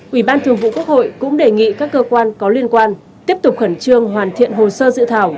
ủy ban thường vụ quốc hội cũng đề nghị các cơ quan có liên quan tiếp tục khẩn trương hoàn thiện hồ sơ dự thảo